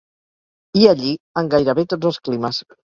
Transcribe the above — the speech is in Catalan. Hi ha lli en gairebé tots els climes.